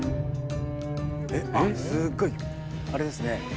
すごいあれですね。